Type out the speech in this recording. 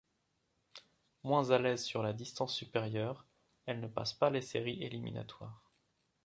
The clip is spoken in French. Moins à l'aise sur la distance supérieure, elle ne passe pas les séries éliminatoires.